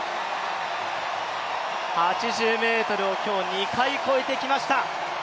８０ｍを今日２回越えてきました。